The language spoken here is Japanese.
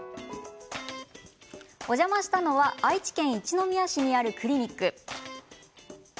お邪魔したのは愛知県一宮市にあるクリニック。